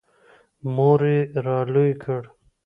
• مور یې را لوی کړ.